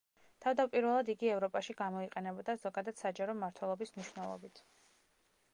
თავდაპირველად იგი ევროპაში გამოიყენებოდა ზოგადად საჯარო მმართველობის მნიშვნელობით.